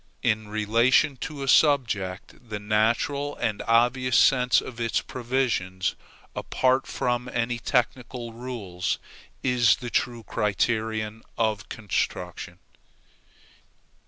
In relation to such a subject, the natural and obvious sense of its provisions, apart from any technical rules, is the true criterion of construction.